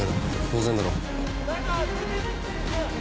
当然だろ。